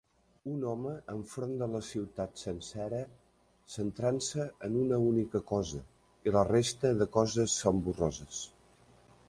Un home enfront de la ciutat sencera centrant-se en una única cosa i la resta de coses són borroses